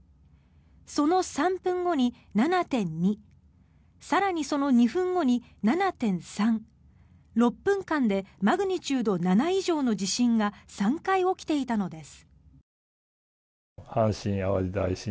その３分後に７．２更にその２分後に７．３６分間でマグニチュード７以上の地震が３回起きていたのです。